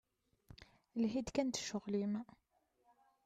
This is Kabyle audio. Lhi-d kan d ccɣel-im.